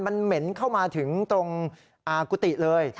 มันเหม็นเข้ามาถึงตรงกุฏิเลย